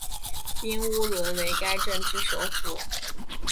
彬乌伦为该镇之首府。